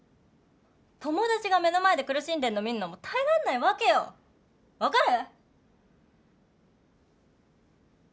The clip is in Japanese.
友達が目の前で苦しんでんの見るのも耐えらんないわけよ分かる？